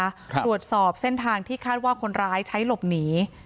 ตรวจสอบเส้นทางที่คาดว่าคนร้ายใช้หลบหนี